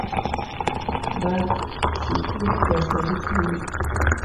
Bag sikul pesa adi tinde?